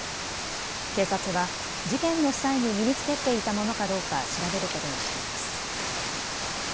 警察は事件の際に身に着けていたものかどうか調べることにしています。